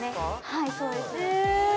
はいそうですえ